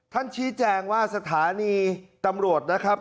ชี้แจงว่าสถานีตำรวจนะครับ